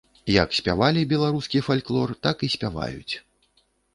Як спявалі беларускі фальклор, так і спяваюць.